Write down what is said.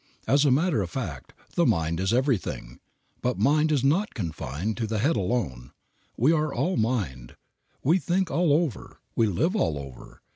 As a matter of fact, the mind is everything. But mind is not confined to the head alone. We are all mind. We think all over. We live all over.